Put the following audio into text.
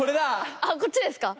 あこっちですか。